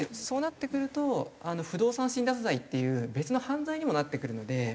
そうなってくると不動産侵奪罪っていう別の犯罪にもなってくるので。